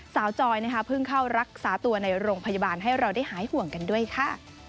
จอยเพิ่งเข้ารักษาตัวในโรงพยาบาลให้เราได้หายห่วงกันด้วยค่ะ